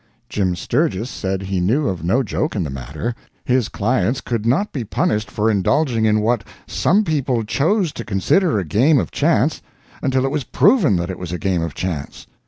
Jim Sturgis said he knew of no joke in the matter his clients could not be punished for indulging in what some people chose to consider a game of chance until it was proven that it was a game of chance.